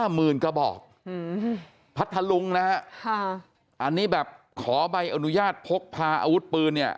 หมื่นกระบอกพัทธลุงนะฮะค่ะอันนี้แบบขอใบอนุญาตพกพาอาวุธปืนเนี่ย